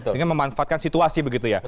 dengan memanfaatkan situasi begitu ya